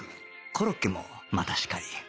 コロッケもまたしかり